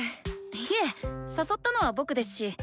いえ誘ったのは僕ですし。